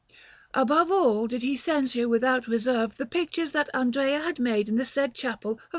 Above all did he censure without reserve the pictures that Andrea had made in the said Chapel of S.